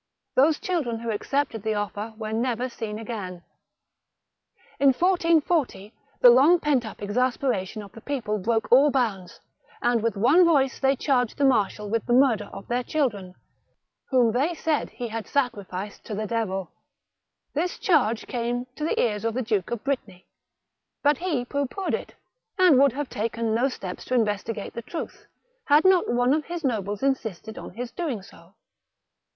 Those children who accepted the pflfer were never seen again. In 1440 the long peut up exasperation of the people 188 THE BOOK OF WERE WOLVES. broke all bounds, and with one voice they^ charged the marshal with the murder of their children, whom they said he had sacrificed to the devil. This charge came to the ears of the Duke of Brittany, but he pooh poohed it, and would have taken no steps to investigate the truth, had not one of his nobles insisted on his doing so.